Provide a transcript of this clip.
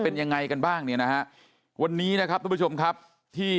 เป็นยังไงกันบ้างเนี่ยนะฮะวันนี้นะครับทุกผู้ชมครับที่